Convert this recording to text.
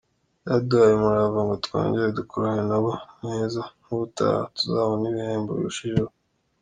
Byaduhaye umurava ngo twongere dukorane na bo neza n’ubutaha tuzabone ibihembo birushijeho.